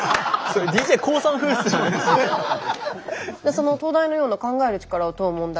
その東大のような考える力を問う問題